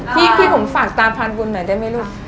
พี่บุ๋มฝากตามพานบุญหน่อยได้ไหมลูก